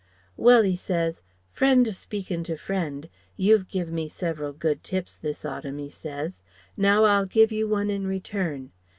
'Well' 'e says, 'friend speakin' to friend, you've giv' me several good tips this autumn,' he says. 'Now I'll give you one in return.